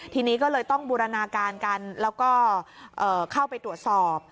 ทีนี้ก็เลยต้องบูรณาการกันแล้วก็เข้าไปตรวจสอบ